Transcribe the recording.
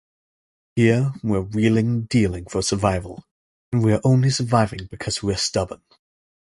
Here, we're wheeling and dealing for survival, and we're only surviving because we're stubborn.